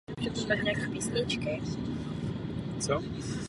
Na horním toku je charakteristické protáhlé období vzestupu hladiny od jara do léta.